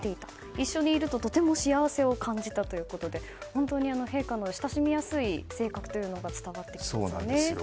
一緒にいるととても幸せを感じたということで本当に陛下の親しみやすい性格が伝わってきますよね。